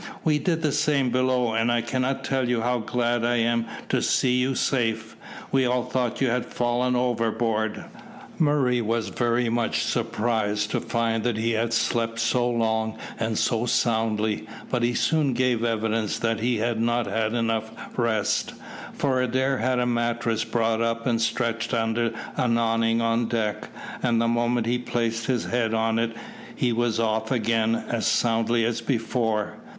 We did the same below, and I cannot tell you how glad I am to see you safe: we all thought you had fallen overboard." Murray was very much surprised to find that he had slept so long and so soundly, but he soon gave evidence that he had not had enough rest, for Adair had a mattress brought up and stretched under an awning on deck, and the moment he placed his head on it he was off again as soundly as before.